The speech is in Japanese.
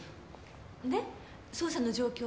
で捜査の状況は？